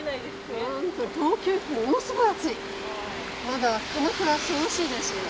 まだ鎌倉は涼しいですよ。